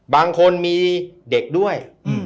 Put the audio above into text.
บางคนมีเด็กด้วย